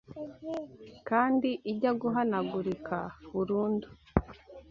kandi ijya guhanagurika burundu